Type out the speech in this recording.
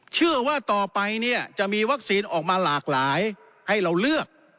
เชื่อว่าต่อไปเนี่ยจะมีวัคซีนออกมาหลากหลายให้เราเลือก